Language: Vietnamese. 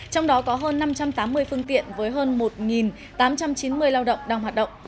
trong đó có hơn năm trăm tám mươi phương tiện với hơn một tám trăm chín mươi lao động đang hoạt động